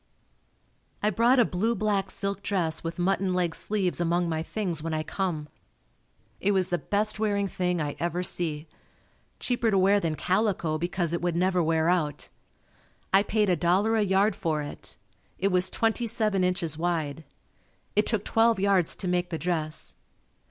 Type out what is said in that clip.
I brought a blue black silk dress with mutton leg sleeves among my things when I come. It was the best wearing thing I ever see. Cheaper to wear than calico because it would never wear out. I paid $1.00 a yard for it. It was twenty seven inches wide. It took twelve yards to make the dress.